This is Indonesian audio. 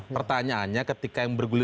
pertanyaannya ketika yang berguna